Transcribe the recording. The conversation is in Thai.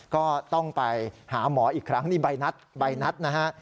ก็ต้องไปหาหมออีกครั้งนี่ใบนัดใบนัดนะฮะ